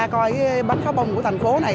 coi cái bánh kháu bông của thành phố này